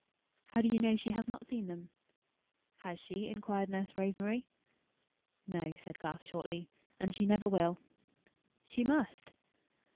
"How do you know she has not seen them?" "Has she?" inquired Nurse Rosemary. "No," said Garth, shortly; "and she never will." "She must."